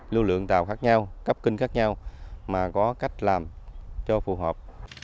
lưu lượng tàu khác nhau cấp kinh khác nhau mà có cách làm cho phù hợp